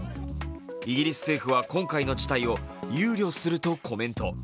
イギリス政府は今回の事態を憂慮するとコメント。